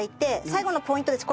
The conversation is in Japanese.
最後のポイントです。